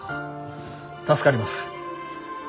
助かります。